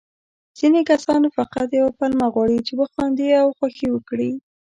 ځيني کسان فقط يوه پلمه غواړي، چې وخاندي او خوښي وکړي.